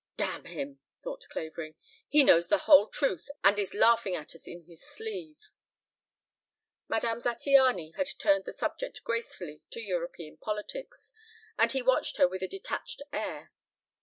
"Damn him!" thought Clavering. "He knows the whole truth and is laughing at us in his sleeve." Madame Zattiany had turned the subject gracefully to European politics, and he watched her with a detached air.